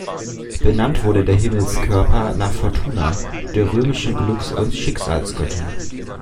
Benannt wurde der Himmelskörper nach Fortuna, der römischen Glücks- und Schicksalsgöttin.